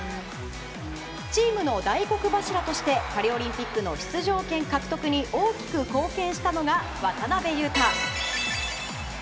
チームの大黒柱としてパリオリンピックの出場権獲得に大きく貢献したのが渡邊雄太。